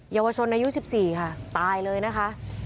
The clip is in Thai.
เยาวชนอายุ๑๔ค่ะตายเลยนะคะ